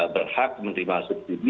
berhak menerima subsidi